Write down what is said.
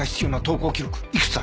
いくつある？